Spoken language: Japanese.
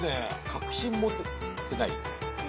確信持てない？